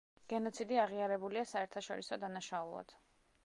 გენოციდი აღიარებულია საერთაშორისო დანაშაულად.